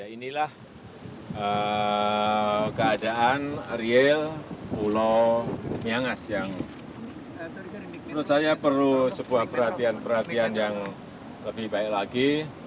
inilah keadaan real pulau myangas yang menurut saya perlu sebuah perhatian perhatian yang lebih baik lagi